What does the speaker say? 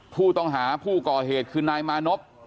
ผู้ต้องหาผู้ก่อเหตุคือนายมานพ